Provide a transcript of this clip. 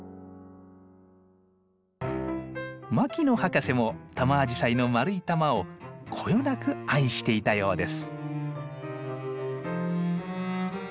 牧野博士もタマアジサイの丸い玉をこよなく愛していたようです。